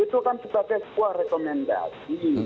itu kan sebagai sebuah rekomendasi